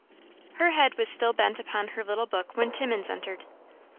Her head was still bent upon her little book when Timmins entered.